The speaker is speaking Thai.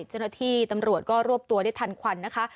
เจ้าหน้าที่ตำรวจก็รวบตัวได้ทันควันนะคะ